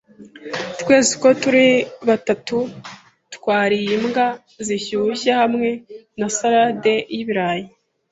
Twese uko turi batatu twariye imbwa zishyushye hamwe na salade y'ibirayi.